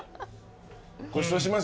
ごちそうします？